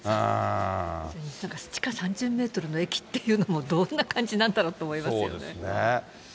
地下３０メートルの駅っていうのも、どんな感じなんだろうとそうですね。